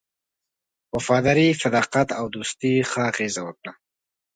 وفاداري، صداقت او دوستی ښه اغېزه وکړه.